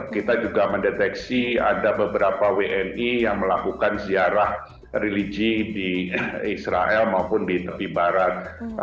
kita juga mendeteksi ada beberapa wni yang melakukan ziarah religi di israel maupun di tepi barat